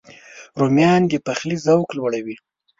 رومیان د پخلي ذوق لوړوي